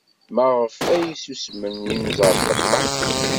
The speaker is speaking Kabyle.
Maɣef ay susmen yimẓerbeḍḍa?